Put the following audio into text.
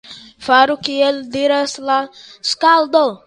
Faru kiel diras la skaldo!